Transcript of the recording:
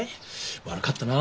悪かったな。